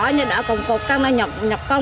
nho đỏ còn cột cành nó nhọc công